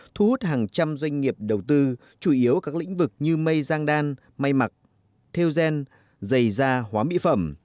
thu hút hàng trăm doanh nghiệp đầu tư chủ yếu các lĩnh vực như mây giang đan may mặc theo gen giày da hóa mỹ phẩm